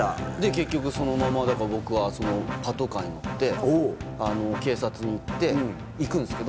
結局僕はパトカーに乗って警察に行って行くんですけど。